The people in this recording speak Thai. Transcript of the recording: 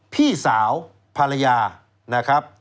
พี่สาวภรรยานะครับ